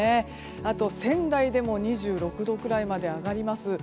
あと、仙台でも２６度くらいまで上がります。